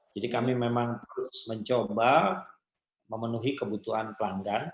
jadi kami memang harus mencoba memenuhi kebutuhan pelanggan